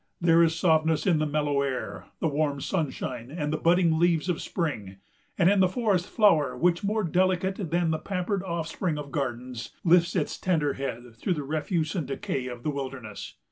There is softness in the mellow air, the warm sunshine, and the budding leaves of spring; and in the forest flower, which, more delicate than the pampered offspring of gardens, lifts its tender head through the refuse and decay of the wilderness.